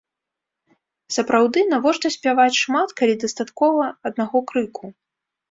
Сапраўды, навошта спяваць шмат, калі дастаткова аднаго крыку?